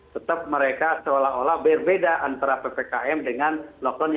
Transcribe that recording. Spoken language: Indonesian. tetap mereka seolah olah berbeda antara ppkm dengan lockdown